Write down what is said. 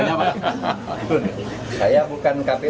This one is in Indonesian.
saya bukan kpu jadi saya akan maju bupati sleman pak ranggapannya pak